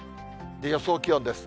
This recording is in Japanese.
予想気温です。